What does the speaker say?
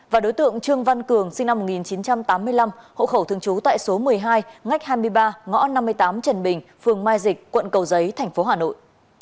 và đối tượng trương văn cường sinh năm một nghìn chín trăm tám mươi năm hộ khẩu thường trú tại số một mươi hai ngách hai mươi ba ngõ năm mươi tám trần bình phường mai dịch quận cầu giấy tp hà nội